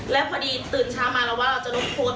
แล้วพอดีตื่นเช้ามาเราว่าเราจะลบโพสต์